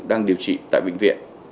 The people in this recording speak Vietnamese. đang điều trị tại bệnh viện